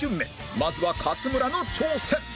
まずは勝村の挑戦